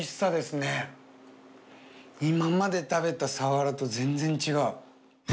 今まで食べたサワラと全然違う。